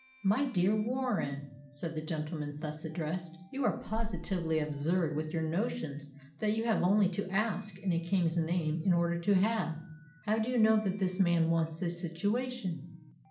"My dear Warren," said the gentleman thus addressed, "you are positively absurd with your notions that you have only to ask in a King's name in order to have. How do you know that this man wants a situation?"